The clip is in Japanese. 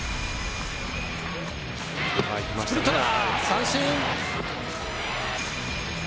三振！